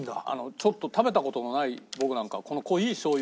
ちょっと食べた事のない僕なんかはこの濃いしょう油。